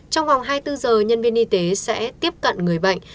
trong vòng hai mươi bốn giờ nhân viên y tế sẽ tiếp cận người bệnh